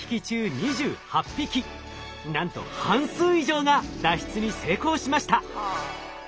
なんと半数以上が脱出に成功しました。